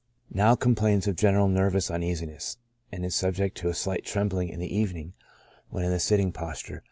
Now complains of general nervous uneasiness, and is subject to a slight trembling in the evening when in the sitting posture.